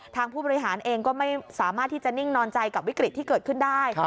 ผู้บริหารเองก็ไม่สามารถที่จะนิ่งนอนใจกับวิกฤตที่เกิดขึ้นได้